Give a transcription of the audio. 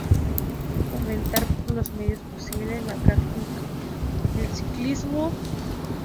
Fomentar por los medios posibles, la practica del Ciclismo.